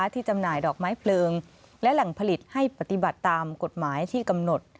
จำหน่ายดอกไม้เพลิงและแหล่งผลิตให้ปฏิบัติตามกฎหมายที่กำหนด